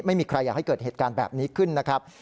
ไม่มีใครอยากให้เกิดเหตุการณ์แบบนี้ขึ้นนะครับ